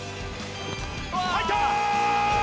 入った！